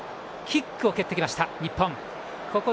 キックを蹴ってきました日本。